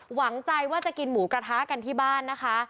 หวังใจว่าจะกินหมูกระทะกันที่บ้านนะคะ